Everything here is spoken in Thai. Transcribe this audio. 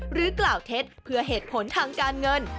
กล่าวเท็จเพื่อเหตุผลทางการเงิน